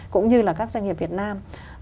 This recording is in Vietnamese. cũng như là các doanh nghiệp việt nam